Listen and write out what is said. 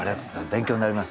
勉強になります。